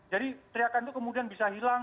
jadi teriakan itu kemudian bisa hilang